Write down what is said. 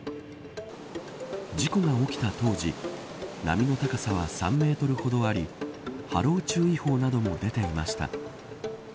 事故が起きた当時波の高さは３メートルほどあり波浪注意報なども出ていました。